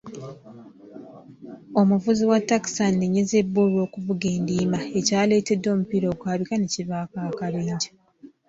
Omuvuzi wa ttakisi anenyezebwa olw'okuvuga endiima, ekyaleetedde omupiira okwabika ne kivaako akabenje.